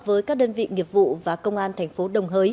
với các đơn vị nghiệp vụ và công an tp hcm